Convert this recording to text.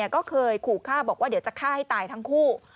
ก็เคยขู่ฆ่าบอกว่าเดี๋ยวจะฆ่าให้ตายทั้งคู่